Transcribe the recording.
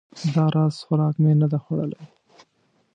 دا راز خوراک مې نه ده خوړلی